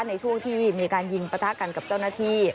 ในช่วงที่มีการยิงปะทะกันกับเจ้าหน้าที่